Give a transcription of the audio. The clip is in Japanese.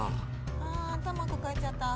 あ頭抱えちゃった。